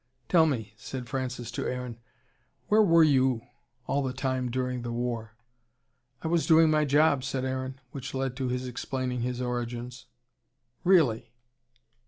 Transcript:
"Tell me," said Francis to Aaron. "Where were YOU all the time during the war?" "I was doing my job," said Aaron. Which led to his explaining his origins. "Really!